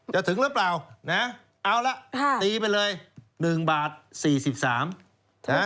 จะถึงหรือเปล่าเอาล่ะตีไปเลย๑บาท๔๓